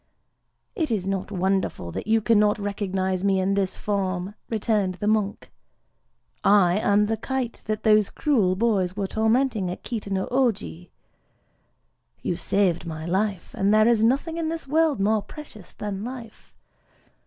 "It is not wonderful that you cannot recognize me in this form," returned the monk: "I am the kite that those cruel boys were tormenting at Kita no Ōji. You saved my life; and there is nothing in this world more precious than life.